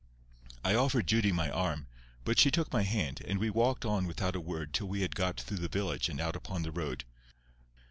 I offered Judy my arm, but she took my hand, and we walked on without a word till we had got through the village and out upon the road.